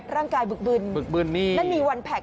ร่างกายบึกบึนนั่นมีวันแพ็คด้วย